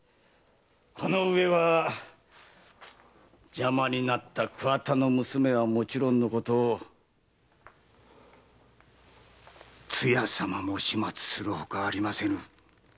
このうえは邪魔になった桑田の娘はもちろんのことつや様も始末するほかありませぬ。